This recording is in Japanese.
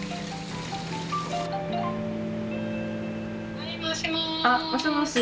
はいもしもし。